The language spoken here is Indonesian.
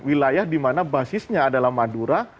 wilayah dimana basisnya adalah madura